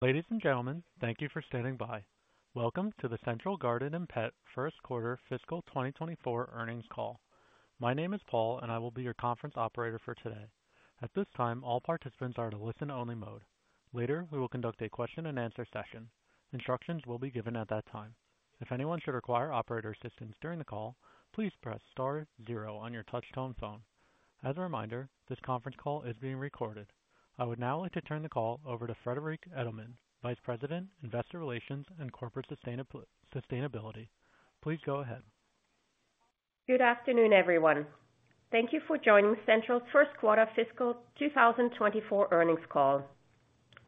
Ladies and gentlemen, thank you for standing by. Welcome to the Central Garden & Pet First Quarter Fiscal 2024 Earnings Call. My name is Paul, and I will be your conference operator for today. At this time, all participants are in a listen-only mode. Later, we will conduct a question-and-answer session. Instructions will be given at that time. If anyone should require operator assistance during the call, please press star zero on your touchtone phone. As a reminder, this conference call is being recorded. I would now like to turn the call over to Friederike Edelmann, Vice President, Investor Relations and Corporate Sustainability. Please go ahead. Good afternoon, everyone. Thank you for joining Central's First Quarter Fiscal 2024 Earnings Call.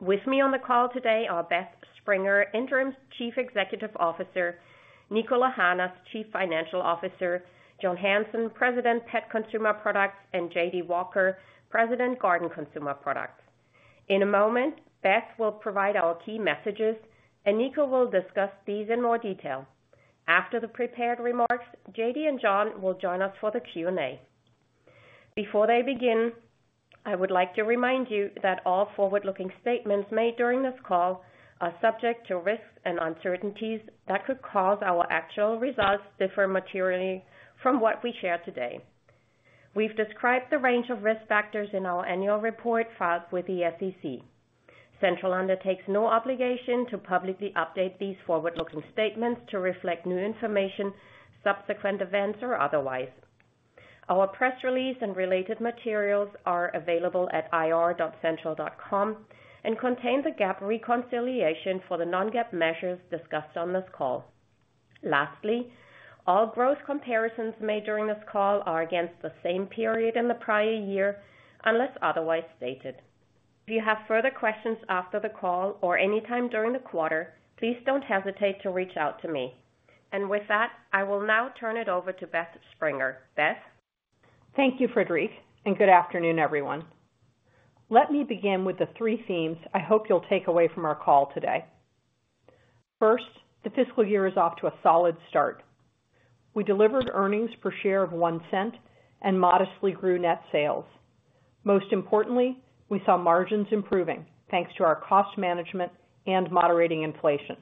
With me on the call today are Beth Springer, Interim Chief Executive Officer, Niko Lahanas, Chief Financial Officer, John Hanson, President, Pet Consumer Products, and J.D. Walker, President, Garden Consumer Products. In a moment, Beth will provide our key messages, and Niko will discuss these in more detail. After the prepared remarks, J.D. and John will join us for the Q&A. Before they begin, I would like to remind you that all forward-looking statements made during this call are subject to risks and uncertainties that could cause our actual results to differ materially from what we share today. We've described the range of risk factors in our annual report filed with the SEC. Central undertakes no obligation to publicly update these forward-looking statements to reflect new information, subsequent events, or otherwise. Our press release and related materials are available at ir.central.com and contain the GAAP reconciliation for the non-GAAP measures discussed on this call. Lastly, all growth comparisons made during this call are against the same period in the prior year, unless otherwise stated. If you have further questions after the call or anytime during the quarter, please don't hesitate to reach out to me. And with that, I will now turn it over to Beth Springer. Beth? Thank you, Friederike, and good afternoon, everyone. Let me begin with the three themes I hope you'll take away from our call today. First, the fiscal year is off to a solid start. We delivered earnings per share of $0.01 and modestly grew net sales. Most importantly, we saw margins improving, thanks to our cost management and moderating inflation.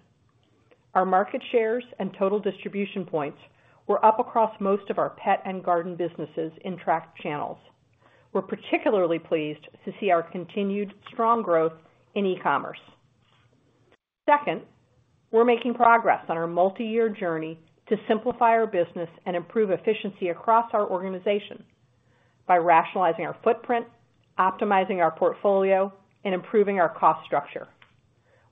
Our market shares and total distribution points were up across most of our pet and garden businesses in tracked channels. We're particularly pleased to see our continued strong growth in e-commerce. Second, we're making progress on our multi-year journey to simplify our business and improve efficiency across our organization by rationalizing our footprint, optimizing our portfolio, and improving our cost structure.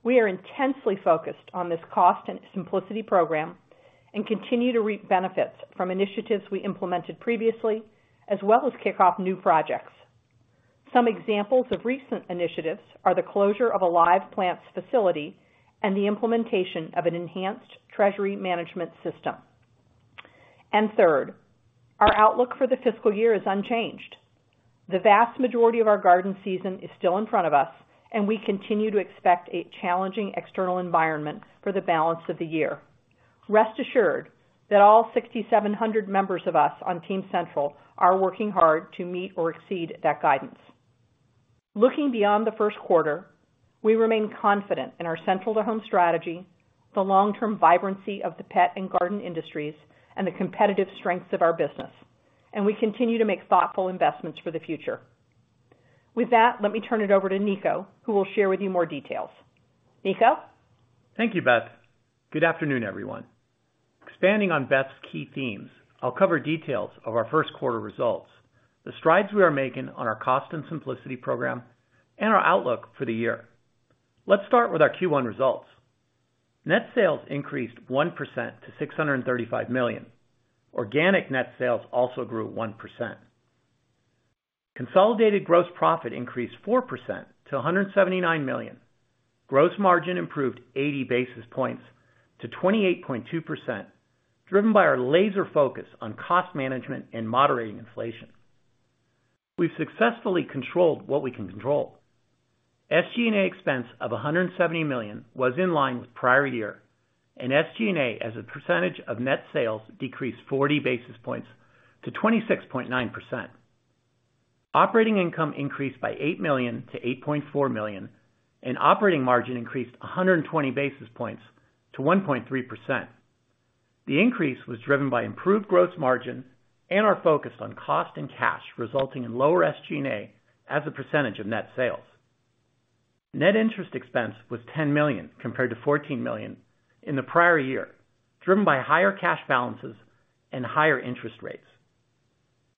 We are intensely focused on this Cost and Simplicity Program and continue to reap benefits from initiatives we implemented previously, as well as kick off new projects. Some examples of recent initiatives are the closure of a live plants facility and the implementation of an enhanced treasury management system. And third, our outlook for the fiscal year is unchanged. The vast majority of our garden season is still in front of us, and we continue to expect a challenging external environment for the balance of the year. Rest assured that all 6,700 members of us on Team Central are working hard to meet or exceed that guidance. Looking beyond the first quarter, we remain confident in our Central to Home strategy, the long-term vibrancy of the pet and garden industries, and the competitive strengths of our business, and we continue to make thoughtful investments for the future. With that, let me turn it over to Niko, who will share with you more details. Niko? Thank you, Beth. Good afternoon, everyone. Expanding on Beth's key themes, I'll cover details of our first quarter results, the strides we are making on our Cost and Simplicity Program, and our outlook for the year. Let's start with our Q1 results. Net sales increased 1% to $635 million. Organic net sales also grew 1%. Consolidated gross profit increased 4% to $179 million. Gross margin improved 80 basis points to 28.2%, driven by our laser focus on cost management and moderating inflation. We've successfully controlled what we can control. SG&A expense of $170 million was in line with prior year, and SG&A, as a percentage of net sales, decreased 40 basis points to 26.9%.Operating income increased by $8 million to $8.4 million, and operating margin increased 120 basis points to 1.3%. The increase was driven by improved gross margin and our focus on cost and cash, resulting in lower SG&A as a percentage of net sales. Net interest expense was $10 million, compared to $14 million in the prior year, driven by higher cash balances and higher interest rates.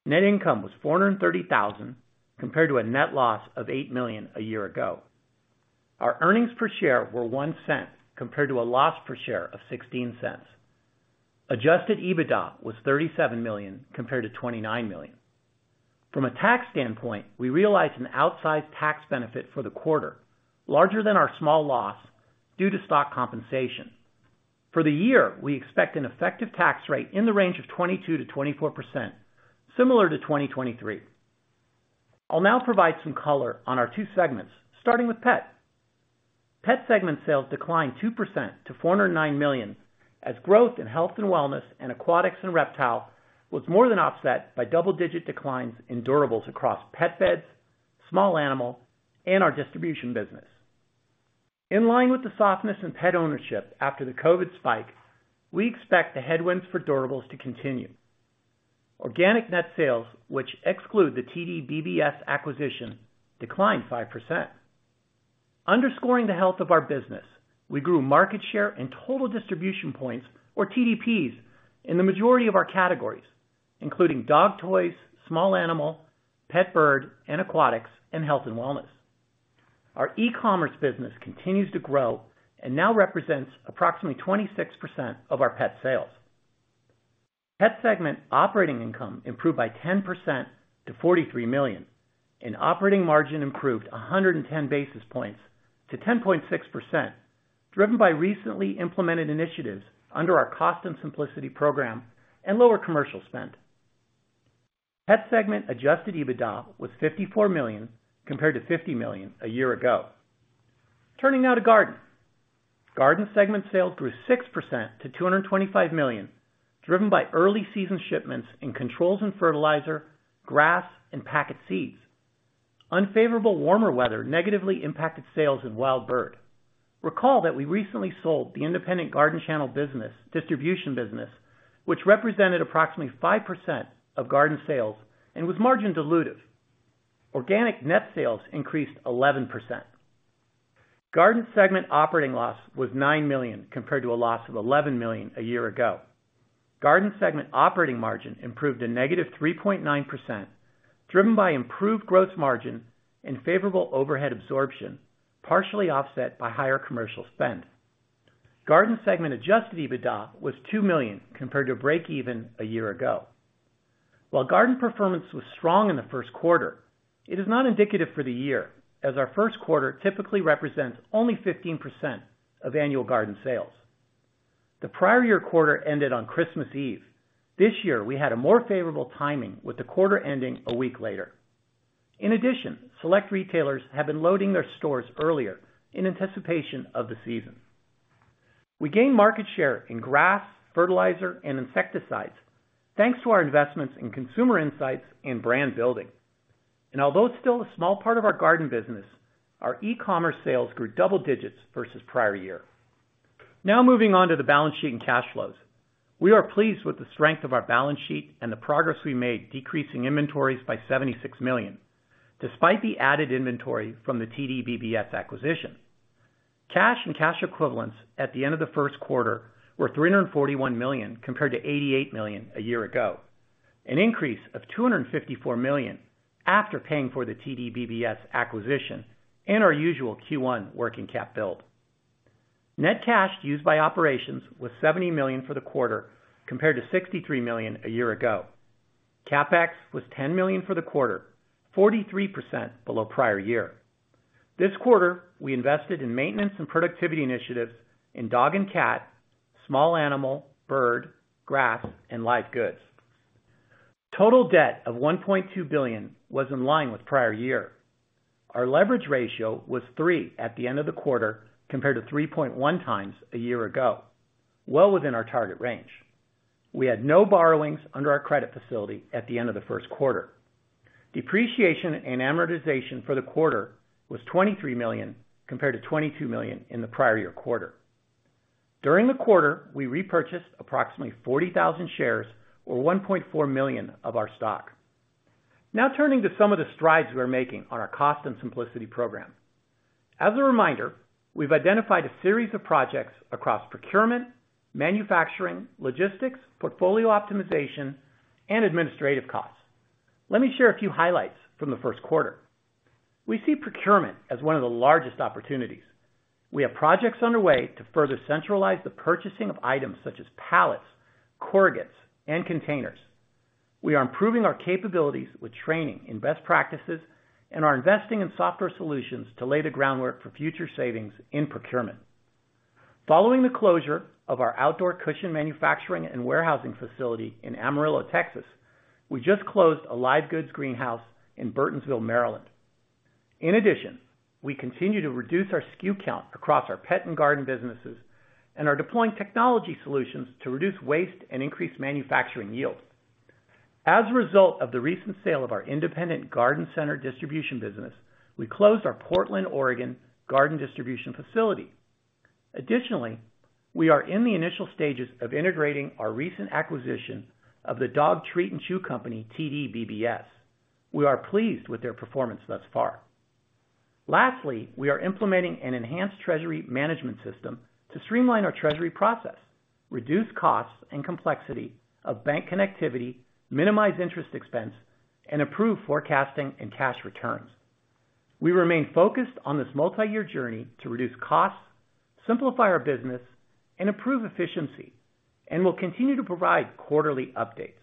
Net income was $430,000, compared to a net loss of $8 million a year ago. Our earnings per share were $0.01, compared to a loss per share of $0.16. Adjusted EBITDA was $37 million, compared to $29 million. From a tax standpoint, we realized an outsized tax benefit for the quarter, larger than our small loss due to stock compensation. For the year, we expect an effective tax rate in the range of 22%-24%, similar to 2023. I'll now provide some color on our two segments, starting with Pet. Pet segment sales declined 2% to $409 million. As growth in health and wellness and aquatics and reptile was more than offset by double-digit declines in durables across pet beds, small animal, and our distribution business. In line with the softness in pet ownership after the COVID spike, we expect the headwinds for durables to continue. Organic net sales, which exclude the TDBBS acquisition, declined 5%. Underscoring the health of our business, we grew market share and total distribution points, or TDPs, in the majority of our categories, including dog toys, small animal, pet bird, and aquatics, and health and wellness. Our e-commerce business continues to grow, and now represents approximately 26% of our pet sales. Pet segment operating income improved by 10% to $43 million, and operating margin improved 110 basis points to 10.6%, driven by recently implemented initiatives under our Cost and Simplicity Program and lower commercial spend. Pet segment Adjusted EBITDA was $54 million, compared to $50 million a year ago. Turning now to garden. Garden segment sales grew 6% to $225 million, driven by early season shipments in controls and fertilizer, grass, and packet seeds. Unfavorable warmer weather negatively impacted sales in wild bird. Recall that we recently sold the independent garden channel distribution business, which represented approximately 5% of garden sales and was margin dilutive. Organic net sales increased 11%.Garden segment operating loss was $9 million, compared to a loss of $11 million a year ago. Garden segment operating margin improved to -3.9%, driven by improved gross margin and favorable overhead absorption, partially offset by higher commercial spend. Garden segment Adjusted EBITDA was $2 million, compared to a break-even a year ago. While garden performance was strong in the first quarter, it is not indicative for the year, as our first quarter typically represents only 15% of annual garden sales. The prior year quarter ended on Christmas Eve. This year, we had a more favorable timing, with the quarter ending a week later. In addition, select retailers have been loading their stores earlier in anticipation of the season. We gained market share in grass, fertilizer, and insecticides, thanks to our investments in consumer insights and brand building. Although it's still a small part of our garden business, our e-commerce sales grew double digits versus prior year. Now moving on to the balance sheet and cash flows. We are pleased with the strength of our balance sheet and the progress we made decreasing inventories by $76 million, despite the added inventory from the TDBBS acquisition. Cash and cash equivalents at the end of the first quarter were $341 million, compared to $88 million a year ago, an increase of $254 million after paying for the TDBBS acquisition and our usual Q1 working cap build. Net cash used by operations was $70 million for the quarter, compared to $63 million a year ago. CapEx was $10 million for the quarter, 43% below prior year. This quarter, we invested in maintenance and productivity initiatives in dog and cat, small animal, bird, grass, and live goods. Total debt of $1.2 billion was in line with prior year. Our leverage ratio was 3 at the end of the quarter, compared to 3.1x a year ago, well within our target range. We had no borrowings under our credit facility at the end of the first quarter. Depreciation and amortization for the quarter was $23 million, compared to $22 million in the prior year quarter. During the quarter, we repurchased approximately 40,000 shares or $1.4 million of our stock. Now turning to some of the strides we are making on our Cost and Simplicity Program. As a reminder, we've identified a series of projects across procurement, manufacturing, logistics, portfolio optimization, and administrative costs. Let me share a few highlights from the first quarter. We see procurement as one of the largest opportunities. We have projects underway to further centralize the purchasing of items such as pallets, corrugates, and containers. We are improving our capabilities with training in best practices and are investing in software solutions to lay the groundwork for future savings in procurement. Following the closure of our outdoor cushion manufacturing and warehousing facility in Amarillo, Texas, we just closed a live goods greenhouse in Burtonsville, Maryland. In addition, we continue to reduce our SKU count across our pet and garden businesses and are deploying technology solutions to reduce waste and increase manufacturing yield. As a result of the recent sale of our independent garden center distribution business, we closed our Portland, Oregon, garden distribution facility. Additionally, we are in the initial stages of integrating our recent acquisition of the dog treat and chew company, TDBBS. We are pleased with their performance thus far. Lastly, we are implementing an enhanced treasury management system to streamline our treasury process, reduce costs and complexity of bank connectivity, minimize interest expense, and improve forecasting and cash returns. We remain focused on this multi-year journey to reduce costs, simplify our business, and improve efficiency, and we'll continue to provide quarterly updates.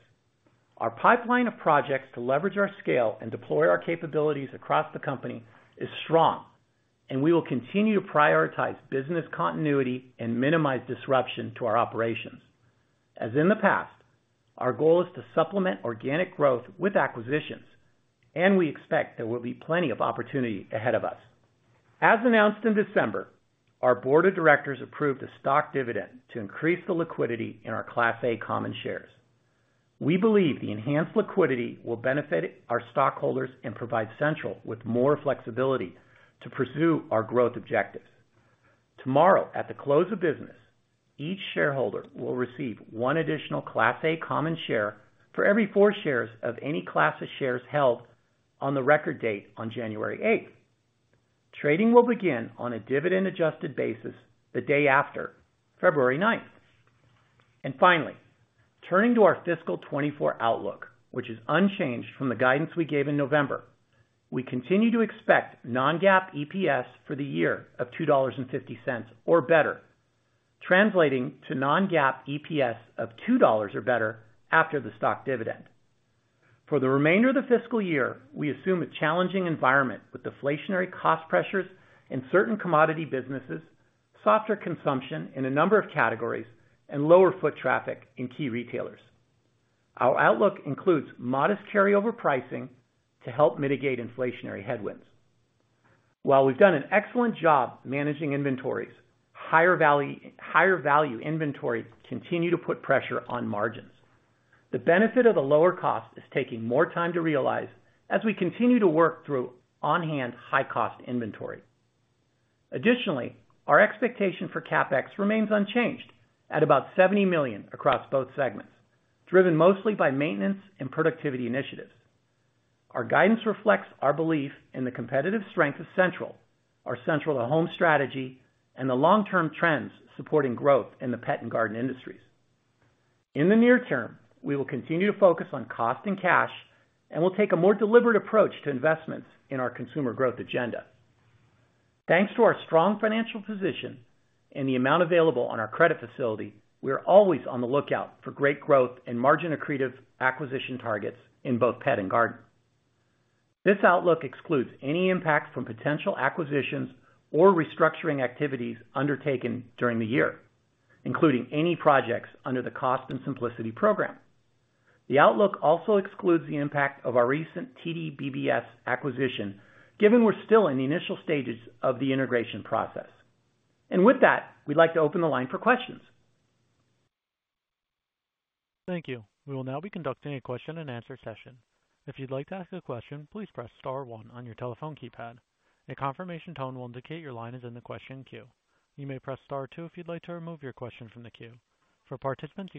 Our pipeline of projects to leverage our scale and deploy our capabilities across the company is strong, and we will continue to prioritize business continuity and minimize disruption to our operations.... As in the past, our goal is to supplement organic growth with acquisitions, and we expect there will be plenty of opportunity ahead of us. As announced in December, our board of directors approved a stock dividend to increase the liquidity in our Class A common shares. We believe the enhanced liquidity will benefit our stockholders and provide Central with more flexibility to pursue our growth objectives. Tomorrow, at the close of business, each shareholder will receive one additional Class A common share for every four shares of any class of shares held on the record date on January 8. Trading will begin on a dividend-adjusted basis the day after, February 9. Finally, turning to our fiscal 2024 outlook, which is unchanged from the guidance we gave in November, we continue to expect non-GAAP EPS for the year of $2.50 or better, translating to non-GAAP EPS of $2 or better after the stock dividend. For the remainder of the fiscal year, we assume a challenging environment with deflationary cost pressures in certain commodity businesses, softer consumption in a number of categories, and lower foot traffic in key retailers. Our outlook includes modest carryover pricing to help mitigate inflationary headwinds. While we've done an excellent job managing inventories, higher value inventories continue to put pressure on margins. The benefit of a lower cost is taking more time to realize as we continue to work through on-hand high-cost inventory. Additionally, our expectation for CapEx remains unchanged at about $70 million across both segments, driven mostly by maintenance and productivity initiatives. Our guidance reflects our belief in the competitive strength of Central, our Central to Home strategy, and the long-term trends supporting growth in the pet and garden industries. In the near term, we will continue to focus on cost and cash, and we'll take a more deliberate approach to investments in our consumer growth agenda. Thanks to our strong financial position and the amount available on our credit facility, we are always on the lookout for great growth and margin-accretive acquisition targets in both pet and garden. This outlook excludes any impact from potential acquisitions or restructuring activities undertaken during the year, including any projects under the Cost and Simplicity Program. The outlook also excludes the impact of our recent TDBBS acquisition, given we're still in the initial stages of the integration process. With that, we'd like to open the line for questions. Thank you. We will now be conducting a question-and-answer session. If you'd like to ask a question, please press star one on your telephone keypad. A confirmation tone will indicate your line is in the question queue. You may press star two if you'd like to remove your question from the queue. For participants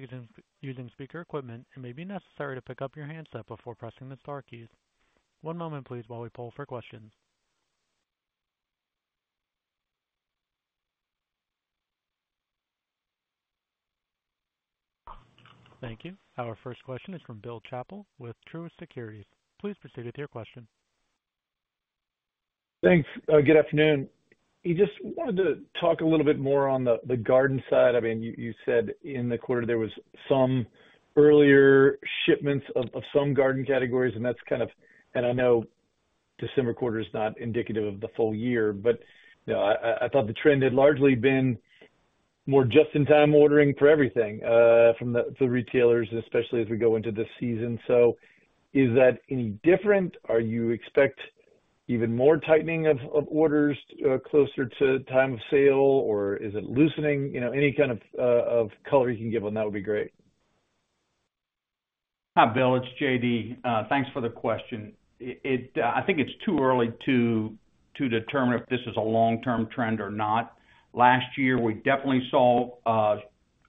using speaker equipment, it may be necessary to pick up your handset before pressing the star keys. One moment, please, while we pull for questions. Thank you. Our first question is from Bill Chappell with Truist Securities. Please proceed with your question. Thanks. Good afternoon. You just wanted to talk a little bit more on the garden side. I mean, you said in the quarter there was some earlier shipments of some garden categories, and that's kind of... I know December quarter is not indicative of the full year, but you know, I thought the trend had largely been more just-in-time ordering for everything from the retailers, especially as we go into this season. So is that any different? Are you expect even more tightening of orders closer to time of sale, or is it loosening? You know, any kind of color you can give on that would be great. Hi, Bill. It's J.D. Thanks for the question. I think it's too early to determine if this is a long-term trend or not. Last year, we definitely saw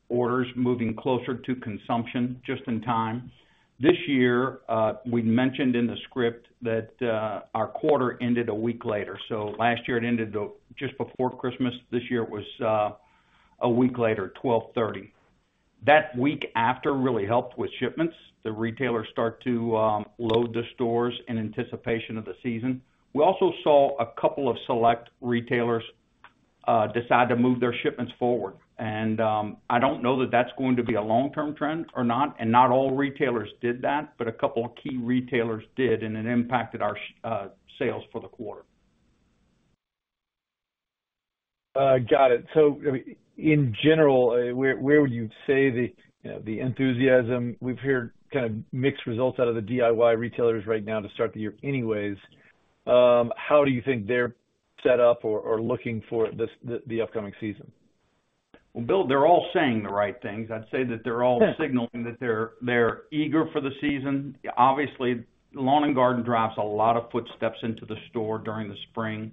orders moving closer to consumption just in time. This year, we mentioned in the script that our quarter ended a week later. So last year, it ended just before Christmas. This year, it was a week later, 12/30. That week after really helped with shipments. The retailers start to load the stores in anticipation of the season. We also saw a couple of select retailers decide to move their shipments forward, and I don't know that that's going to be a long-term trend or not, and not all retailers did that, but a couple of key retailers did, and it impacted our sales for the quarter. Got it. So, I mean, in general, where would you say the enthusiasm? We've heard kind of mixed results out of the DIY retailers right now to start the year anyways. How do you think they're set up or looking for this the upcoming season? Well, Bill, they're all saying the right things. I'd say that they're all signaling that they're eager for the season. Obviously, Lawn and Garden drives a lot of footsteps into the store during the spring,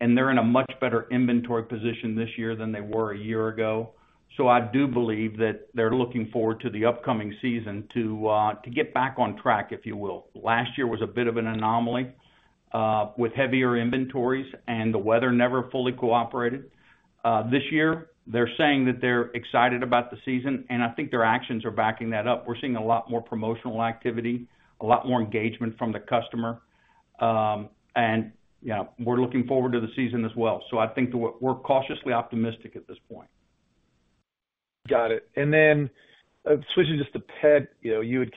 and they're in a much better inventory position this year than they were a year ago. So I do believe that they're looking forward to the upcoming season to get back on track, if you will. Last year was a bit of an anomaly with heavier inventories, and the weather never fully cooperated. This year, they're saying that they're excited about the season, and I think their actions are backing that up. We're seeing a lot more promotional activity, a lot more engagement from the customer. And, you know, we're looking forward to the season as well. So I think we're cautiously optimistic at this point. Got it. And then, switching just to pet, you know, you had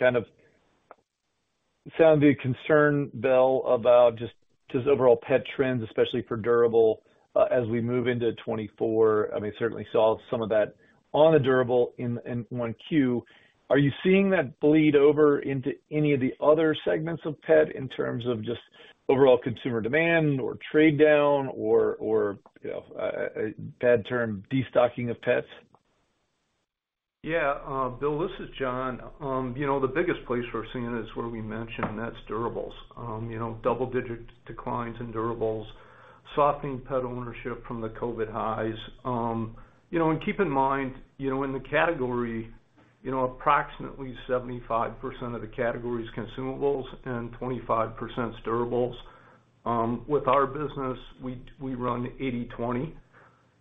sounded the concern, Bill, about just, just overall pet trends, especially for durable, as we move into 2024. I mean, certainly saw some of that on the durable in 1Q. Are you seeing that bleed over into any of the other segments of pet in terms of just overall consumer demand or trade down or, you know, bad term, destocking of pets? Yeah. Bill, this is John. You know, the biggest place we're seeing it is where we mentioned, and that's durables. You know, double-digit declines in durables, softening pet ownership from the COVID highs. You know, and keep in mind, you know, in the category, you know, approximately 75% of the category is consumables and 25% is durables. With our business, we, we run 80/20. You know, and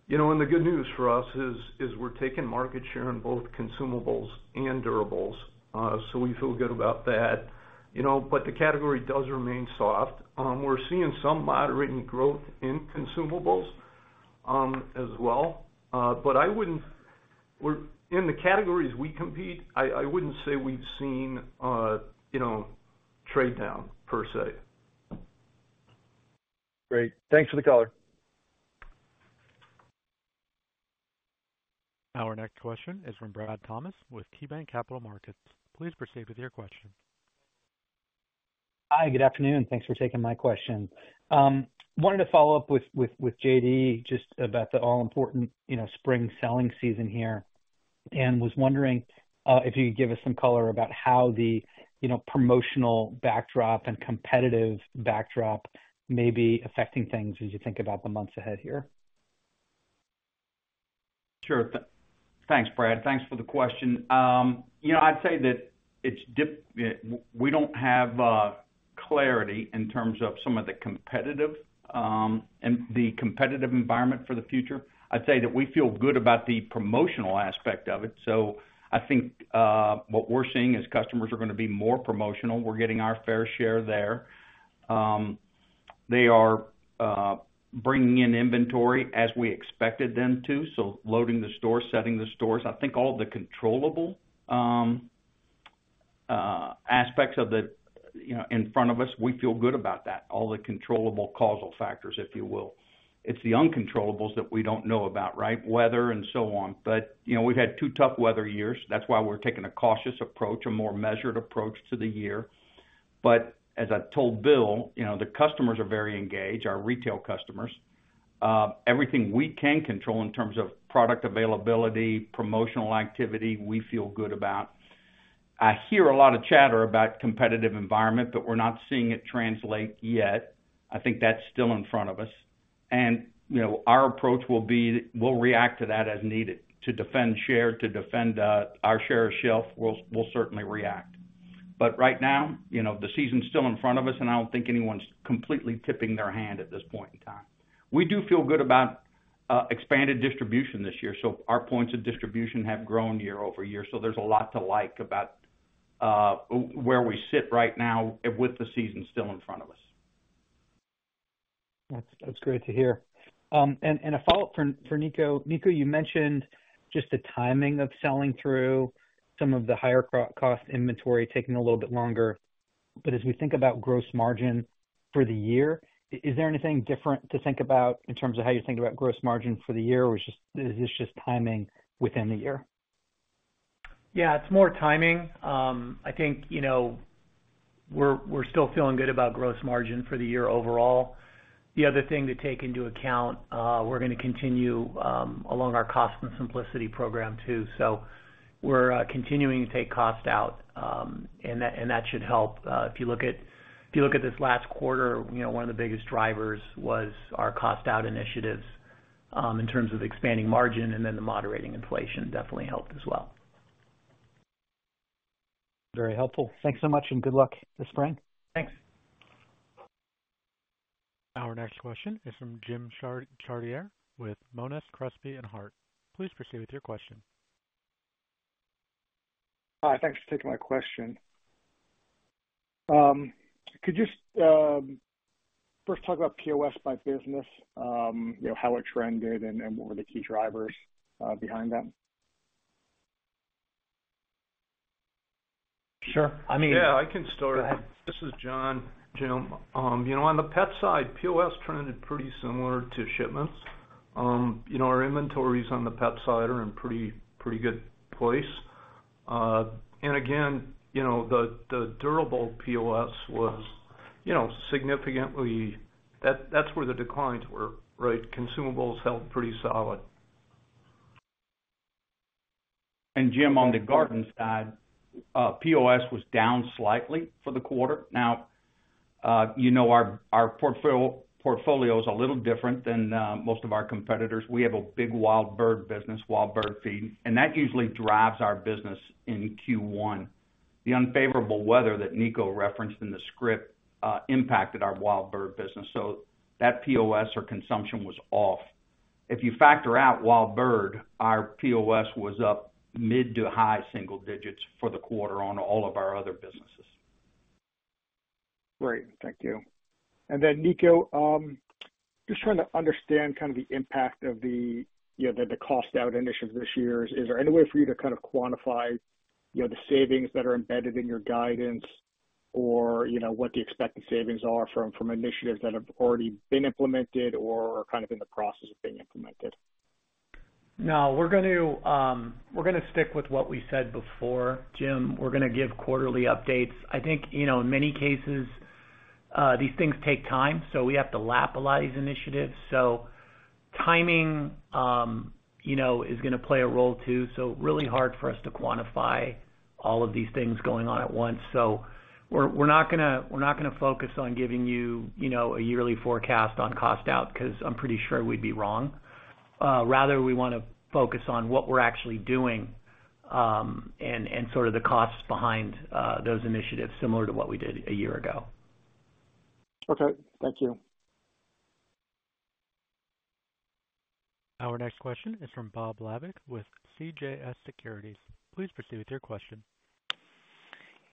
the good news for us is, is we're taking market share in both consumables and durables. So we feel good about that. You know, but the category does remain soft. We're seeing some moderating growth in consumables, as well. But I wouldn't-- we're, in the categories we compete, I, I wouldn't say we've seen, you know, trade down per se. Great. Thanks for the color. Our next question is from Brad Thomas with KeyBanc Capital Markets. Please proceed with your question. Hi, good afternoon. Thanks for taking my question. Wanted to follow up with J.D., just about the all-important, you know, spring selling season here, and was wondering if you could give us some color about how the, you know, promotional backdrop and competitive backdrop may be affecting things as you think about the months ahead here? Sure. Thanks, Brad. Thanks for the question. You know, I'd say that it's different. We don't have clarity in terms of some of the competitive and the competitive environment for the future. I'd say that we feel good about the promotional aspect of it. So I think what we're seeing is customers are gonna be more promotional. We're getting our fair share there. They are bringing in inventory as we expected them to, so loading the stores, setting the stores. I think all the controllable aspects of the, you know, in front of us, we feel good about that, all the controllable causal factors, if you will. It's the uncontrollables that we don't know about, right? Weather and so on. But, you know, we've had two tough weather years. That's why we're taking a cautious approach, a more measured approach to the year. But as I told Bill, you know, the customers are very engaged, our retail customers. Everything we can control in terms of product availability, promotional activity, we feel good about. I hear a lot of chatter about competitive environment, but we're not seeing it translate yet. I think that's still in front of us. And, you know, our approach will be, we'll react to that as needed to defend share, to defend our share of shelf. We'll certainly react. But right now, you know, the season's still in front of us, and I don't think anyone's completely tipping their hand at this point in time. We do feel good about expanded distribution this year, so our points of distribution have grown year-over-year, so there's a lot to like about where we sit right now with the season still in front of us. That's, that's great to hear. And a follow-up for Niko. Niko, you mentioned just the timing of selling through some of the higher cost inventory, taking a little bit longer. But as we think about gross margin for the year, is there anything different to think about in terms of how you think about gross margin for the year, or is this just timing within the year? Yeah, it's more timing. I think, you know, we're still feeling good about gross margin for the year overall. The other thing to take into account, we're gonna continue along our Cost and Simplicity Program, too. So we're continuing to take cost out, and that should help. If you look at this last quarter, you know, one of the biggest drivers was our cost-out initiatives in terms of expanding margin, and then the moderating inflation definitely helped as well. Very helpful. Thanks so much, and good luck this spring. Thanks. Our next question is from Jim Chartier with Monness, Crespi, and Hardt. Please proceed with your question. Hi, thanks for taking my question. Could you first talk about POS by business, you know, how it trended and what were the key drivers behind that? Sure. I mean- Yeah, I can start. Go ahead. This is John. Jim, you know, on the pet side, POS trended pretty similar to shipments. You know, our inventories on the pet side are in pretty, pretty good place. And again, you know, the durable POS was, you know, significantly... That, that's where the declines were, right? Consumables held pretty solid. And Jim, on the garden side, POS was down slightly for the quarter. Now, you know, our portfolio is a little different than most of our competitors. We have a big wild bird business, wild bird feed, and that usually drives our business in Q1. The unfavorable weather that Niko referenced in the script impacted our wild bird business, so that POS or consumption was off. If you factor out wild bird, our POS was up mid to high single digits for the quarter on all of our other businesses. Great. Thank you. And then, Niko, just trying to understand kind of the impact of the, you know, cost out initiatives this year. Is there any way for you to kind of quantify, you know, the savings that are embedded in your guidance or, you know, what the expected savings are from initiatives that have already been implemented or are kind of in the process of being implemented? No, we're going to, we're going to stick with what we said before, Jim. We're going to give quarterly updates. I think, you know, in many cases, these things take time, so we have to lap a lot of these initiatives. So timing, you know, is going to play a role, too. So really hard for us to quantify all of these things going on at once. So we're not gonna focus on giving you, you know, a yearly forecast on cost out, because I'm pretty sure we'd be wrong. Rather, we want to focus on what we're actually doing, and sort of the costs behind those initiatives, similar to what we did a year ago. Okay. Thank you. Our next question is from Bob Labich with CJS Securities. Please proceed with your question.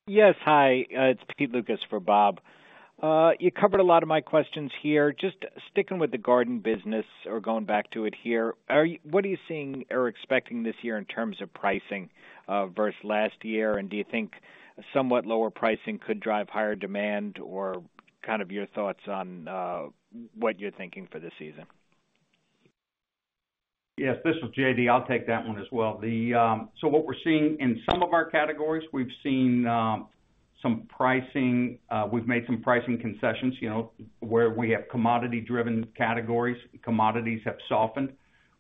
Yes. Hi, it's Pete Lukas for Bob. You covered a lot of my questions here. Just sticking with the garden business or going back to it here, are you-- what are you seeing or expecting this year in terms of pricing, versus last year? And do you think somewhat lower pricing could drive higher demand or kind of your thoughts on, what you're thinking for this season? Yes, this is J.D. I'll take that one as well. The... So what we're seeing in some of our categories, we've seen some pricing, we've made some pricing concessions, you know, where we have commodity-driven categories. Commodities have softened.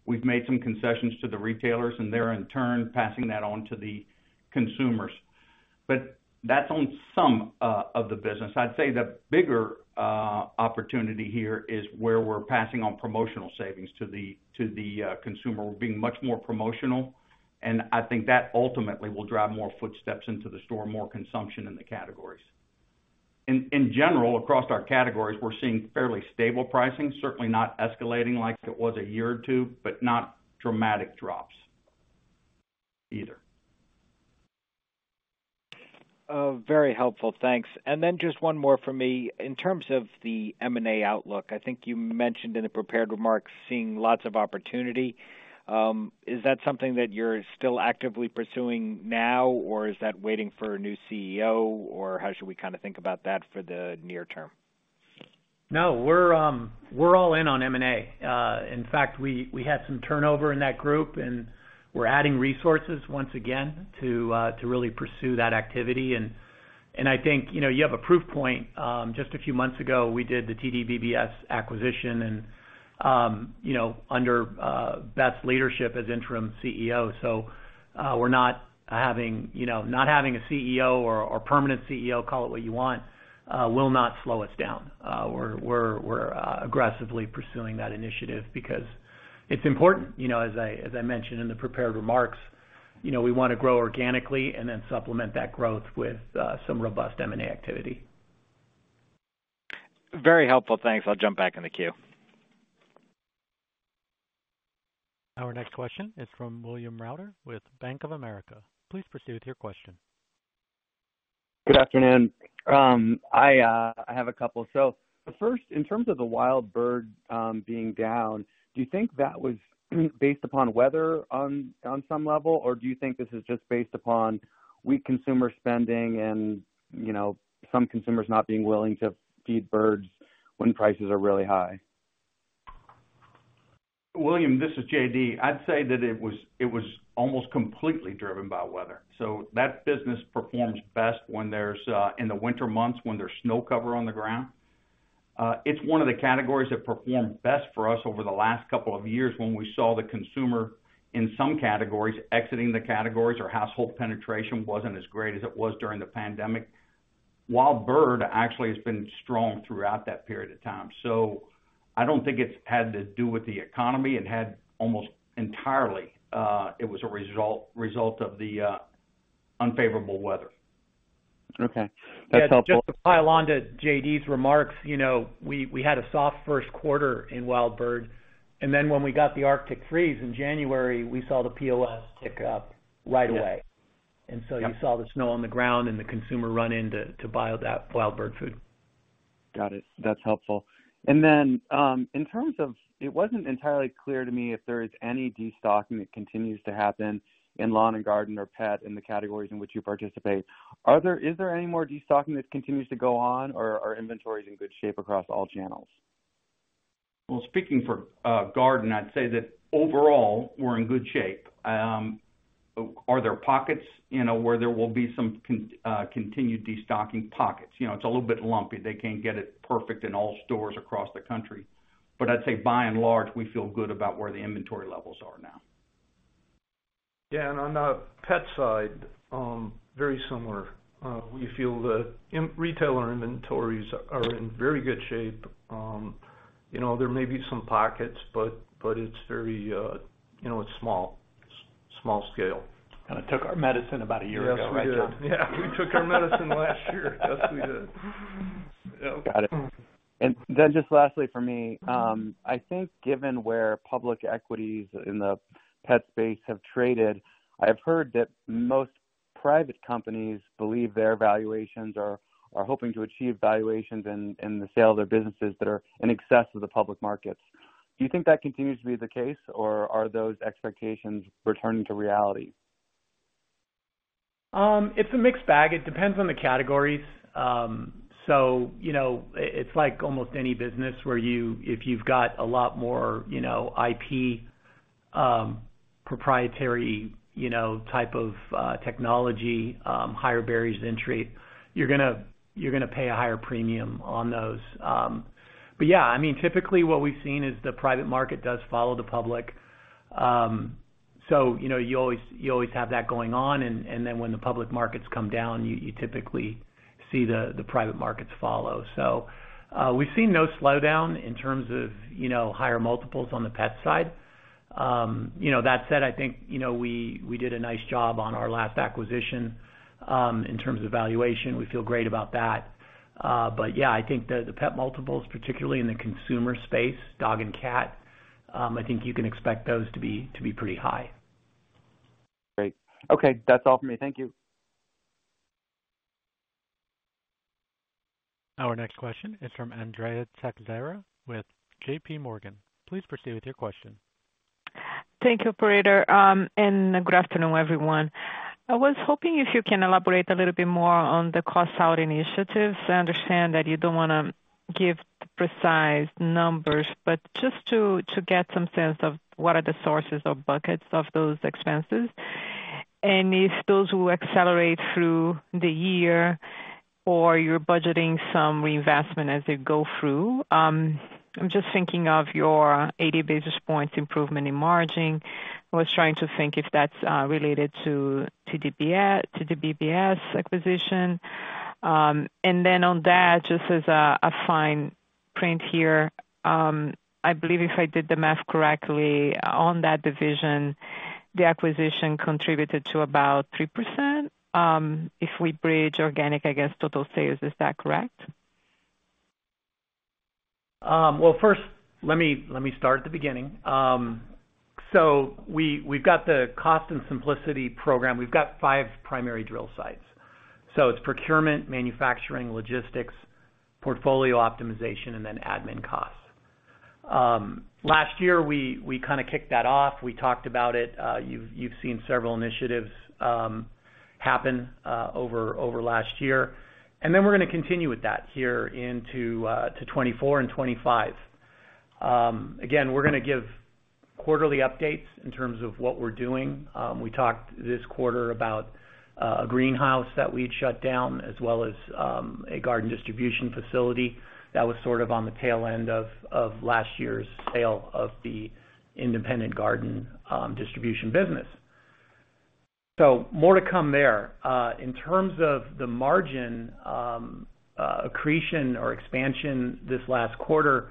We've made some concessions to the retailers, and they're, in turn, passing that on to the consumers. But that's on some of the business. I'd say the bigger opportunity here is where we're passing on promotional savings to the consumer. We're being much more promotional, and I think that ultimately will drive more footsteps into the store, more consumption in the categories. In general, across our categories, we're seeing fairly stable pricing, certainly not escalating like it was a year or two, but not dramatic drops either. Very helpful. Thanks. And then just one more for me. In terms of the M&A outlook, I think you mentioned in the prepared remarks, seeing lots of opportunity. Is that something that you're still actively pursuing now, or is that waiting for a new CEO, or how should we kind of think about that for the near term? No, we're all in on M&A. In fact, we had some turnover in that group, and we're adding resources once again to really pursue that activity. And I think, you know, you have a proof point. Just a few months ago, we did the TDBBS acquisition and, you know, under Beth's leadership as Interim CEO. So, we're not having, you know, not having a CEO or permanent CEO, call it what you want, will not slow us down. We're aggressively pursuing that initiative because it's important. You know, as I mentioned in the prepared remarks, you know, we want to grow organically and then supplement that growth with some robust M&A activity. Very helpful. Thanks. I'll jump back in the queue. Our next question is from William Reuter with Bank of America. Please proceed with your question. Good afternoon. I have a couple. So the first, in terms of the wild bird being down, do you think that was based upon weather on some level, or do you think this is just based upon weak consumer spending and, you know, some consumers not being willing to feed birds when prices are really high? William, this is J.D. I'd say that it was almost completely driven by weather. So that business performs best in the winter months, when there's snow cover on the ground. It's one of the categories that performed best for us over the last couple of years when we saw the consumer in some categories exiting the categories or household penetration wasn't as great as it was during the pandemic. Wild bird actually has been strong throughout that period of time, so I don't think it's had to do with the economy. It was almost entirely a result of the unfavorable weather. Okay. That's helpful. Just to pile on to J.D.'s remarks, you know, we had a soft first quarter in wild bird, and then when we got the arctic freeze in January, we saw the POS tick up right away. And so you saw the snow on the ground and the consumer run in to buy all that wild bird food. Got it. That's helpful. And then, in terms of... It wasn't entirely clear to me if there is any destocking that continues to happen in lawn and garden or pet, in the categories in which you participate. Is there any more destocking that continues to go on, or are inventories in good shape across all channels? Well, speaking for garden, I'd say that overall, we're in good shape. Are there pockets, you know, where there will be some continued destocking pockets? You know, it's a little bit lumpy. They can't get it perfect in all stores across the country. But I'd say by and large, we feel good about where the inventory levels are now. Yeah, and on the pet side, very similar. We feel the in-retailer inventories are in very good shape. You know, there may be some pockets, but, but it's very, you know, it's small scale. It took our medicine about a year ago, right? Yes, we did. Yeah, we took our medicine last year. Yes, we did. Got it. And then just lastly, for me, I think given where public equities in the pet space have traded, I've heard that most private companies believe their valuations are hoping to achieve valuations in the sale of their businesses that are in excess of the public markets. Do you think that continues to be the case, or are those expectations returning to reality? It's a mixed bag. It depends on the categories. So, you know, it's like almost any business where you if you've got a lot more, you know, IP, proprietary, you know, type of technology, higher barriers to entry, you're gonna, you're gonna pay a higher premium on those. But yeah, I mean, typically what we've seen is the private market does follow the public. So, you know, you always, you always have that going on. And then when the public markets come down, you typically see the private markets follow. So, we've seen no slowdown in terms of, you know, higher multiples on the pet side. You know, that said, I think, you know, we did a nice job on our last acquisition in terms of valuation. We feel great about that. But yeah, I think the pet multiples, particularly in the consumer space, dog and cat, I think you can expect those to be pretty high. Great. Okay, that's all for me. Thank you. Our next question is from Andrea Teixeira with JPMorgan. Please proceed with your question. Thank you, operator, and good afternoon, everyone. I was hoping if you can elaborate a little bit more on the cost out initiatives. I understand that you don't wanna give precise numbers, but just to get some sense of what are the sources or buckets of those expenses, and if those will accelerate through the year or you're budgeting some reinvestment as they go through. I'm just thinking of your 80 basis points improvement in margin. I was trying to think if that's related to TDBBS - to the BBS acquisition. And then on that, just as a fine print here, I believe if I did the math correctly on that division, the acquisition contributed to about 3%, if we bridge organic, I guess, total sales. Is that correct? Well, first, let me start at the beginning. So we've got the Cost and Simplicity Program. We've got five primary drill sites. So it's procurement, manufacturing, logistics, portfolio optimization, and then admin costs. Last year, we kinda kicked that off. We talked about it. You've seen several initiatives happen over last year, and then we're gonna continue with that here into 2024 and 2025. Again, we're gonna give quarterly updates in terms of what we're doing. We talked this quarter about a greenhouse that we'd shut down, as well as a garden distribution facility that was sort of on the tail end of last year's sale of the independent garden distribution business. So more to come there.In terms of the margin, accretion or expansion this last quarter,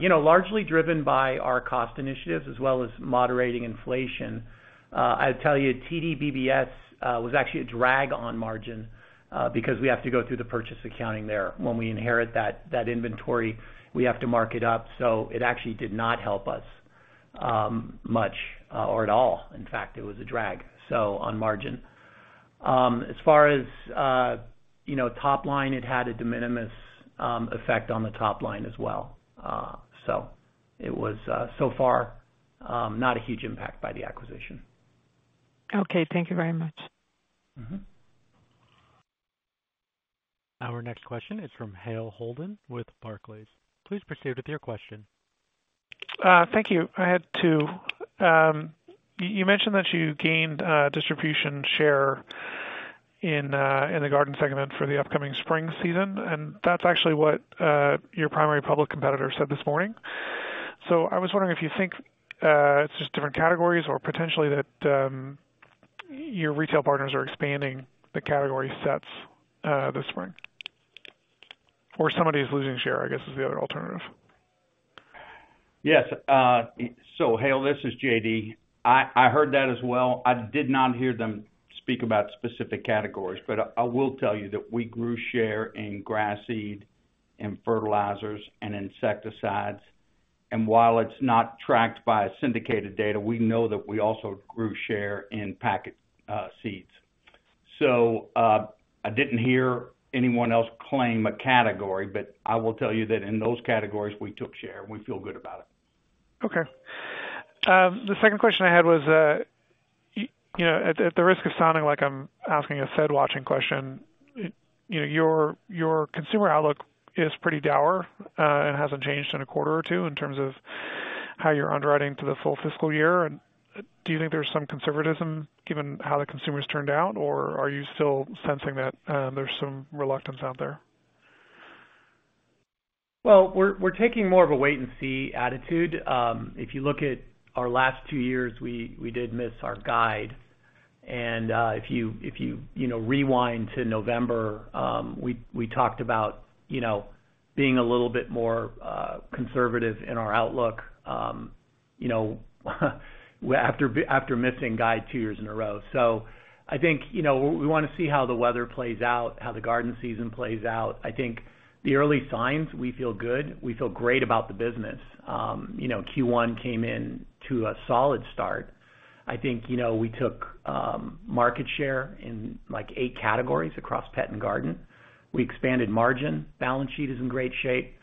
you know, largely driven by our cost initiatives as well as moderating inflation. I'd tell you, TDBBS, was actually a drag on margin, because we have to go through the purchase accounting there. When we inherit that, that inventory, we have to mark it up, so it actually did not help us, much, or at all. In fact, it was a drag, so on margin. As far as, you know, top line, it had a de minimis, effect on the top line as well. So it was, so far, not a huge impact by the acquisition. Okay, thank you very much. Mm-hmm. Our next question is from Hale Holden with Barclays. Please proceed with your question. Thank you. I had two. You mentioned that you gained distribution share in the garden segment for the upcoming spring season, and that's actually what your primary public competitor said this morning. So I was wondering if you think it's just different categories or potentially that your retail partners are expanding the category sets this spring. Or somebody's losing share, I guess, is the other alternative. Yes. So Hale, this is J.D. I heard that as well. I did not hear them speak about specific categories, but I will tell you that we grew share in grass seed and fertilizers and insecticides, and while it's not tracked by a syndicated data, we know that we also grew share in packet seeds. So, I didn't hear anyone else claim a category, but I will tell you that in those categories, we took share, and we feel good about it. Okay. The second question I had was, you know, at the risk of sounding like I'm asking a Fed-watching question, you know, your consumer outlook is pretty dour, and hasn't changed in a quarter or two in terms of how you're underwriting for the full fiscal year. And do you think there's some conservatism, given how the consumer's turned out, or are you still sensing that there's some reluctance out there? Well, we're taking more of a wait and see attitude. If you look at our last two years, we did miss our guide, and if you you know, rewind to November, we talked about you know, being a little bit more conservative in our outlook. You know, after missing guide two years in a row. So I think you know, we wanna see how the weather plays out, how the garden season plays out. I think the early signs, we feel good. We feel great about the business. You know, Q1 came in to a solid start. I think you know, we took market share in like, eight categories across pet and garden. We expanded margin. Balance sheet is in great shape.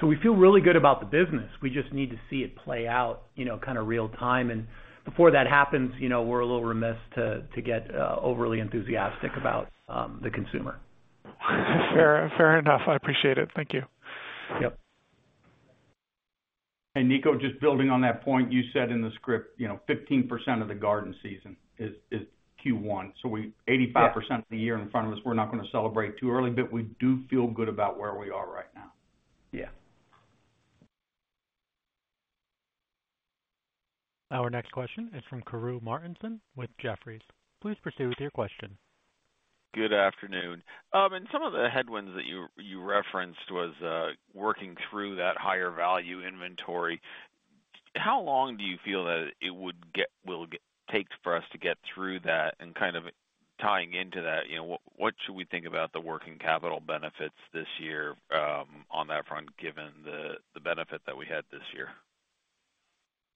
So we feel really good about the business. We just need to see it play out, you know, kinda real-time. Before that happens, you know, we're a little remiss to get overly enthusiastic about the consumer. Fair, fair enough. I appreciate it. Thank you. Yep. And Niko, just building on that point, you said in the script, you know, 15% of the garden season is Q1. So we- Yeah. 85% of the year in front of us, we're not gonna celebrate too early, but we do feel good about where we are right now. Yeah. Our next question is from Karru Martinson with Jefferies. Please proceed with your question. Good afternoon. And some of the headwinds that you referenced was working through that higher value inventory. How long do you feel that it would take for us to get through that? And kind of tying into that, you know, what should we think about the working capital benefits this year, on that front, given the benefit that we had this year?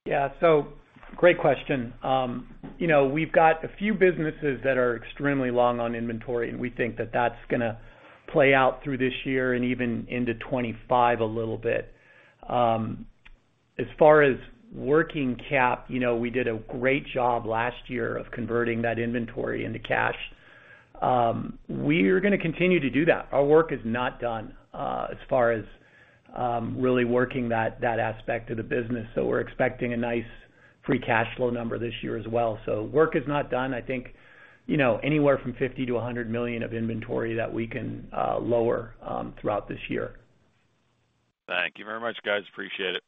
Yeah, so great question. You know, we've got a few businesses that are extremely long on inventory, and we think that that's gonna play out through this year and even into 2025 a little bit. As far as working cap, you know, we did a great job last year of converting that inventory into cash. We are gonna continue to do that. Our work is not done, as far as really working that aspect of the business, so we're expecting a nice free cash flow number this year as well. So work is not done. I think, you know, anywhere from $50 million-$100 million of inventory that we can lower throughout this year. Thank you very much, guys. Appreciate it.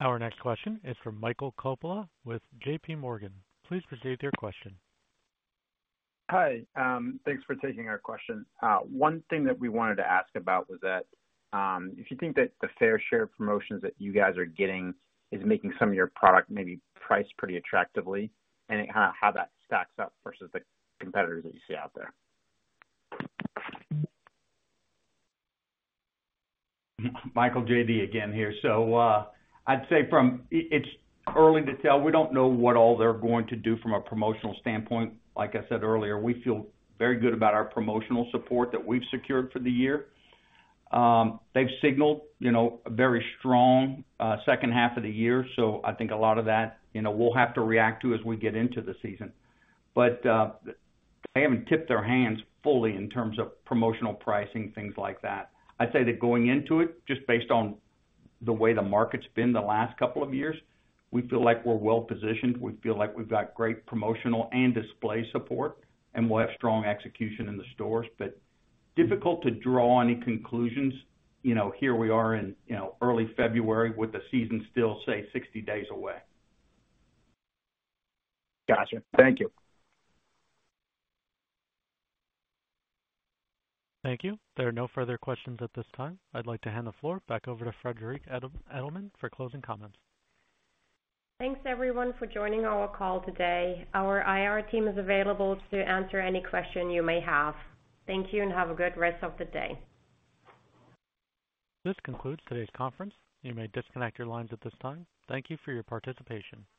Our next question is from Michael Coppola with JPMorgan. Please proceed with your question. Hi, thanks for taking our question. One thing that we wanted to ask about was that, if you think that the fair share of promotions that you guys are getting is making some of your product maybe priced pretty attractively, and, how that stacks up versus the competitors that you see out there? Michael, J.D. again here. So, I'd say it's early to tell. We don't know what all they're going to do from a promotional standpoint. Like I said earlier, we feel very good about our promotional support that we've secured for the year. They've signaled, you know, a very strong second half of the year, so I think a lot of that, you know, we'll have to react to as we get into the season. But they haven't tipped their hands fully in terms of promotional pricing, things like that. I'd say that going into it, just based on the way the market's been the last couple of years, we feel like we're well positioned. We feel like we've got great promotional and display support, and we'll have strong execution in the stores. But difficult to draw any conclusions. You know, here we are in, you know, early February with the season still, say, 60 days away. Gotcha. Thank you. Thank you. There are no further questions at this time. I'd like to hand the floor back over to Friederike Edelmann for closing comments. Thanks, everyone, for joining our call today. Our IR team is available to answer any question you may have. Thank you, and have a good rest of the day. This concludes today's conference. You may disconnect your lines at this time. Thank you for your participation.